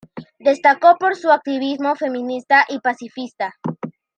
Destacó por su activismo feminista y pacifista.